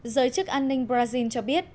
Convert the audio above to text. giới chức an ninh brazil cho biết